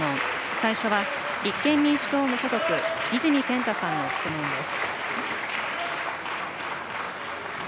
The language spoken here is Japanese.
最初は立憲民主党・無所属、泉健太さんの質問です。